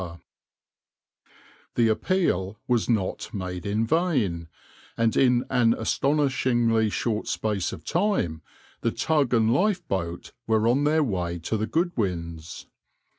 \par \vs {\noindent} The appeal was not made in vain, and in an astonishingly short space of time the tug and lifeboat were on their way to the Goodwins.